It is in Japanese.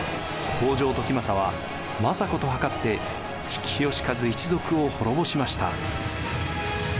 北条時政は政子と謀って比企能員一族を滅ぼしました。